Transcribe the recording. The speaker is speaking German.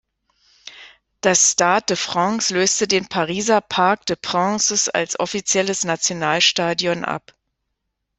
Das Stade de France löste den Pariser Parc des Princes als offizielles Nationalstadion ab.